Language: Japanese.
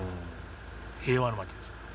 平和な町ですから。